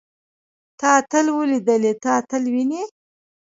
تۀ اتل وليدلې. ته اتل وينې؟